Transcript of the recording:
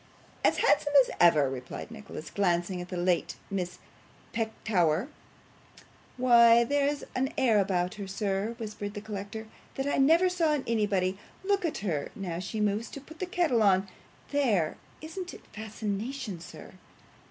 'As handsome as ever,' replied Nicholas, glancing at the late Miss Petowker. 'Why, there's air about her, sir,' whispered the collector, 'that I never saw in anybody. Look at her now she moves to put the kettle on. There! Isn't it fascination, sir?